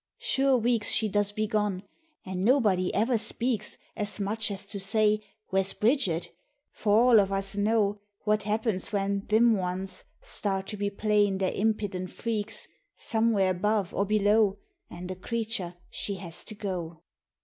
Sure weeks she does be gone, an' nobody ever speaks As much as to say " Where's Bridget?" for all of us know 122 FAERY THRALL 123 What happens when thim ones start to be playin' their impident freaks, Somewhere above or below, an' the crature, she has to go